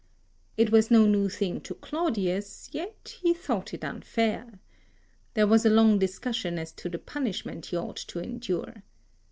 It was no new thing to Claudius, yet he thought it unfair. There was a long discussion as to the punishment he ought to endure.